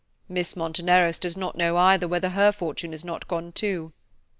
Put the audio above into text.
"Miss Monteneros does not know, either, whether her fortune is not gone too."